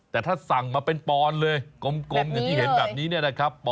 แต่ถ้าสั่งมาเป็นปอนด์เลยกลมอย่างที่เห็นแบบนี้เนี่ยนะครับ